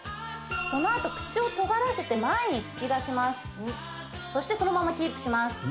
そのあと口をとがらせて前に突き出しますそしてそのままキープします